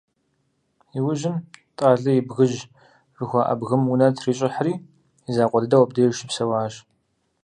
Иужьым «Тӏалэ и бгыжь» жыхуаӏэ бгым унэ трищӏыхьри, и закъуэ дыдэу абдеж щыпсэуащ.